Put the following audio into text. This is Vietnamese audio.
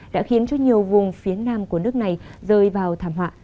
đã khiến cho nhiều vùng phía nam của nước này rơi vào thảm họa